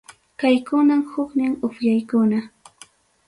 Kaykunam huknin upyaykuna.